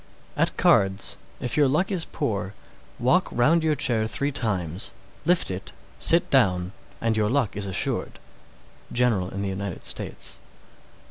608. At cards, if your luck is poor, walk round your chair three times, lift it, sit down, and your luck is assured. _General in the United States.